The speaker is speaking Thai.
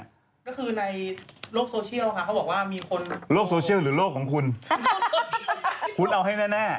ก็คือในโลกโซเชียลเขาบอกว่ามีคน